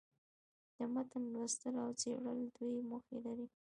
د متن لوستل او څېړل دوې موخي لري.